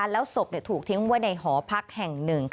แล้วศพถูกทิ้งไว้ในหอพักแห่งหนึ่ง